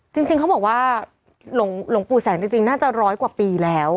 จริงเขาบอกว่าหลวงปู่แสงจริงน่าจะร้อยกว่าปีแล้ว